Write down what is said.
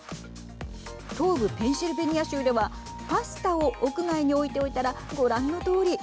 東部ペンシルベニア州ではパスタを屋外に置いておいたらご覧のとおり。